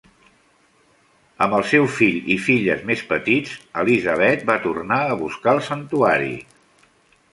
Amb el seu fill i filles més petits, Elizabeth va tornar a buscar santuari.